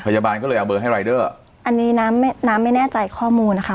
พยาบาลก็เลยเอาเบอร์ให้รายเดอร์อันนี้น้ำไม่น้ำไม่แน่ใจข้อมูลนะคะ